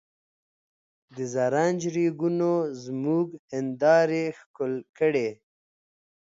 د زرنج ریګونو زموږ هندارې ښکل کړې.